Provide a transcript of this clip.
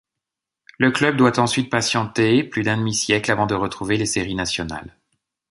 Le club doit ensuite patienter plus d'un demi-siècle avant de retrouver les séries nationales.